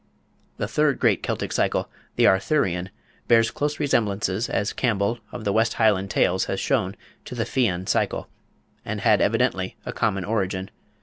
The third great Celtic Cycle the Arthurian bears close resemblances, as Campbell, of "The West Highland Tales," has shown, to the Fian Cycle, and had evidently a common origin.